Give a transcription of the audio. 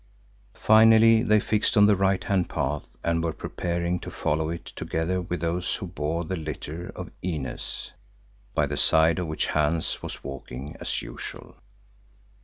Finally they fixed on the right hand path and were preparing to follow it together with those who bore the litter of Inez, by the side of which Hans was walking as usual.